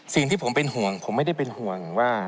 สิ่งที่ผมเป็นห่วงผมไม่ได้เป็นห่วงว่า